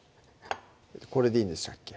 これでいいんでしたっけ？